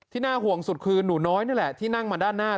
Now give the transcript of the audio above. น่าห่วงสุดคือหนูน้อยนี่แหละที่นั่งมาด้านหน้า